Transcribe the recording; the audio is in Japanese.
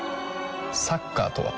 サッカーとは？